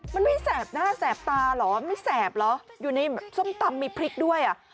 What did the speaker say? มันไม่แสบหน้าแสบตาเหรอไม่แสบเหรออยู่ในส้มตำมีพริกด้วยอ่ะ